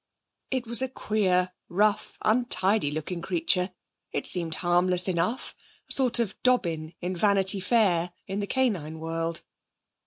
It was a queer, rough, untidy looking creature; it seemed harmless enough; a sort of Dobbin in Vanity Fair in the canine world.